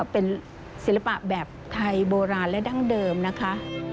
เป็นศิลปะแบบไทยโบราณและดั้งเดิมนะคะ